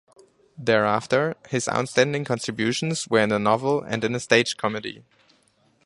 Thereafter, his outstanding contributions were in the novel and in a stage comedy.